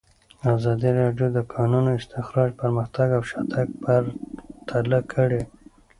ازادي راډیو د د کانونو استخراج پرمختګ او شاتګ پرتله کړی.